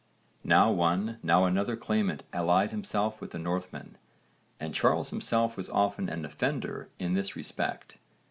Now one, now another claimant allied himself with the Northmen, and Charles himself was often an offender in this respect.